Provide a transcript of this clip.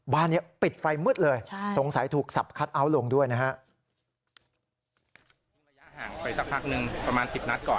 บ้านนี้ปิดไฟมืดเลยสงสัยถูกสับคัทเอาท์ลงด้วยนะฮะ